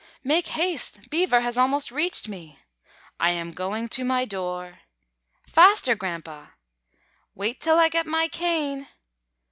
"Make haste, Beaver has almost reached me!" "I am going to my door." "Faster, Grandpa!" "Wait till I get my cane."